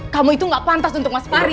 kamu itu gak pantas untuk mas fari